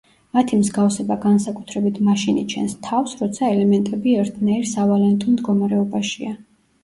მათი მსგავსება განსაკუთრებით მაშინ იჩენს თავს, როცა ელემენტები ერთნაირ სავალენტო მდგომარეობაშია.